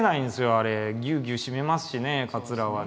あれぎゅうぎゅう締めますしねかつらはね。